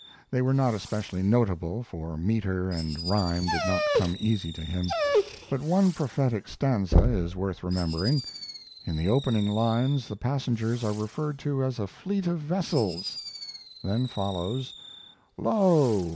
They were not especially notable, for meter and rhyme did not come easy to him, but one prophetic stanza is worth remembering. In the opening lines the passengers are referred to as a fleet of vessels, then follows: Lo!